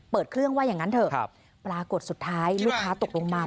เปิดเครื่องว่าอย่างนั้นเถอะปรากฏสุดท้ายลูกค้าตกลงมา